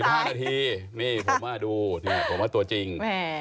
๙โมง๔๕นาทีนี่ผมว่าดูผมว่าตัวจริง